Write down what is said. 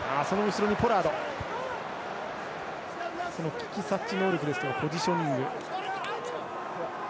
危機察知能力ですとかポジショニング。